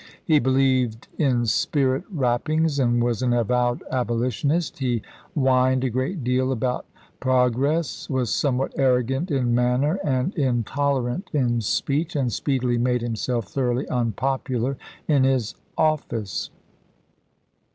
He believed in spirit rappings and was an avowed abolitionist ; he whined a great deal about ' prog ress'; was somewhat arrogant in manner and intolerant in speech, and speedily made himself thoroughly unpopular in his office."